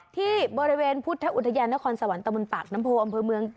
ที่บริเวณพุทธอุทยานนครสวรรค์ตะบนปากน้ำโพอำเภอเมือง